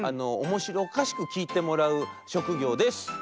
おもしろおかしくきいてもらうしょくぎょうです。